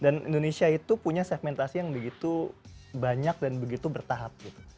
dan indonesia itu punya segmentasi yang begitu banyak dan begitu bertahap gitu